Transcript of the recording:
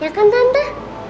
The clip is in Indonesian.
ya kan tante